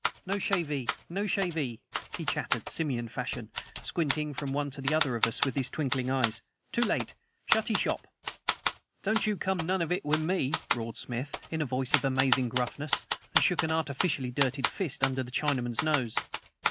"No shavee no shavee," he chattered, simian fashion, squinting from one to the other of us with his twinkling eyes. "Too late! Shuttee shop!" "Don't you come none of it wi' me!" roared Smith, in a voice of amazing gruffness, and shook an artificially dirtied fist under the Chinaman's nose.